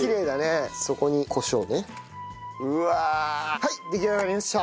はい出来上がりました！